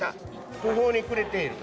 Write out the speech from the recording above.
途方に暮れていると。